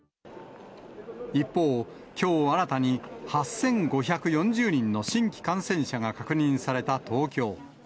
一方、きょう新たに８５４０人の新規感染者が確認された東京。